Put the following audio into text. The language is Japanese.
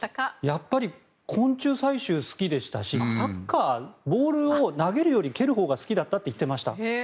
やっぱり昆虫採集好きでしたしサッカー、ボールを投げるより蹴るほうが好きだったと話しています。